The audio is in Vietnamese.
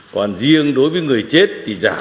còn riêng đối với người chết thì giảm là một mươi bốn một